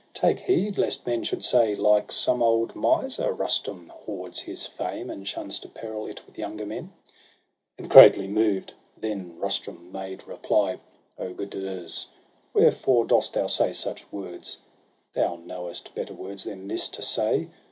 Take heed lest men should say : 94 SOHRAB AND RUSTUM. Like some old miser, Rusium hoards his fame, And shuns to peril it with younger men! And, greatly moved, then Rustum made reply: —' O Gudurz, wherefore dost thou say such words ? Thou knowest better words than this to say.